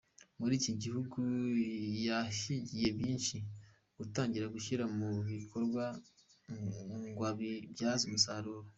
Muri iki gihugu, yahigiye byinshi yatangiye gushyira mu bikorwa ngo abibyaze umusaruro.